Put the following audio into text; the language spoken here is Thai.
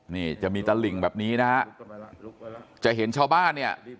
นี่จะมีตลิ่งแบบนี้นะฮะจะเห็นชาวบ้านเนี่ย